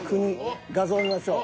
画像見ましょう。